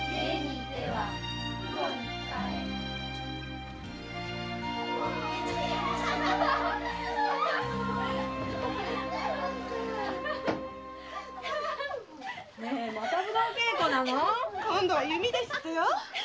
今度は弓ですってよ。